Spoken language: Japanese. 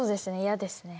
嫌ですね。